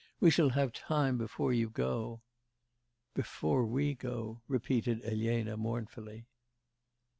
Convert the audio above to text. We shall have time before you go.' 'Before we go,' repeated Elena mournfully.